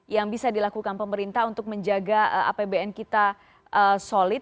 yang bisa dilakukan pemerintah untuk menjaga apbn kita solid